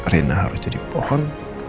rena harus jadi pohon